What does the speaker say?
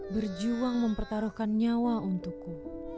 berjuang mempertaruhkan nyawa untukku